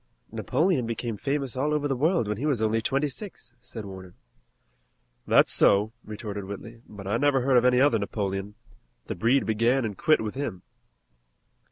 "Napoleon became famous all over the world when he was only twenty six," said Warner. "That's so," retorted Whitley, "but I never heard of any other Napoleon. The breed began and quit with him."